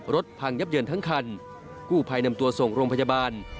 พังยับเยินทั้งคันกู้ภัยนำตัวส่งโรงพยาบาล